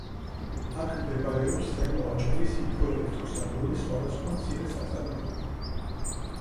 აქ მდებარეობს ზემო ავჭალის ჰიდროელექტროსადგური, სხვადასხვა მცირე საწარმოები.